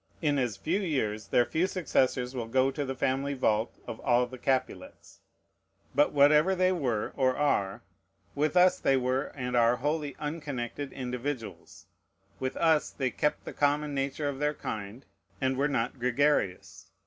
In as few years their few successors will go to the family vault of "all the Capulets." But whatever they were, or are, with us they were and are wholly unconnected individuals. With us they kept the common nature of their kind, and were not gregarious.